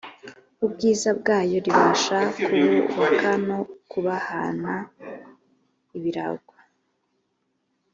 ubwiza bwayo ribasha kububaka no kubahana ibiragwa